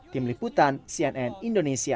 tim liputan cnn indonesia